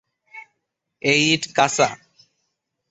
এই ইট কাঁচা।